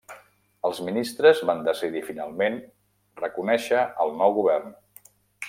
Els ministres van decidir finalment reconèixer al nou govern.